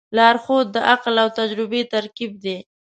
لارښود د عقل او تجربې ترکیب دی.